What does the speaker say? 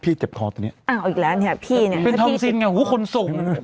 พี่เจ็บฮ่ะอีกแล้วเนี้ยพี่เนี้ยเป็นตอนซิ่งเหรอโหคนส่ง